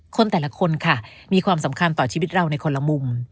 คนแต่ละคนค่ะมีความสำคัญต่อชีวิตเราในคนละมุม